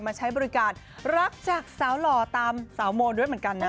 ใช้บริการรักจากสาวหล่อตามสาวโมด้วยเหมือนกันนะ